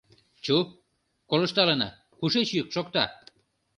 — Чу, колышталына, кушеч йӱк шокта?